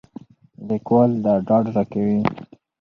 لیکوال دا ډاډ راکوي.